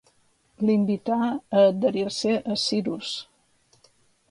l'invità a adherir-se a Cirus